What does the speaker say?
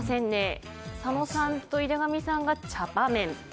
佐野さんと井手上さんがチャパメン。